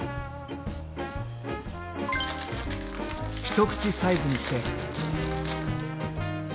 一口サイズにして。